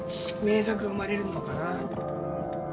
名作が生まれるのかな。